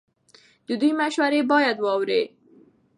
د دوی مشورې باید واورئ.